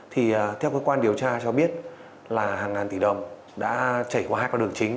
thì theo cơ quan điều tra cho biết là hàng ngàn tỷ đồng đã chảy qua hai con đường chính